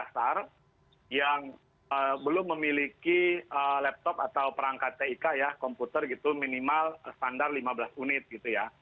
sekolah dasar yang belum memiliki laptop atau perangkat tik komputer minimal standar lima belas unit